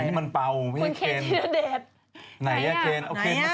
นี่มันเป่าเฮ้ยเคนหรือเปล่าใครยะเคนเอาเคนมาสิ